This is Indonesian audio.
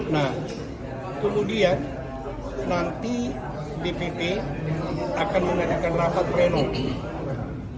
nah kemudian nanti dpk akan menaikkan rapat renung